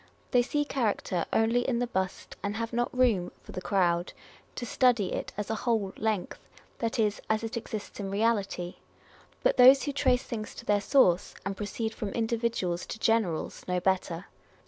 They see character only in the bust, and have not room (for the crowd) to study it as a whole length, that is, as it exists in reality. But those who trace things to their source, and proceed from individuals to generals, know better.